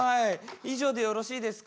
以上でよろしいですか？